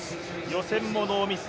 予選もノーミス。